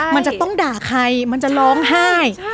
มันจะต้องด่าใครมันจะร้องไห้